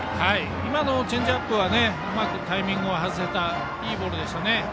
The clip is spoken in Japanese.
今のチェンジアップはうまくタイミングを外せたいいボールでしたね。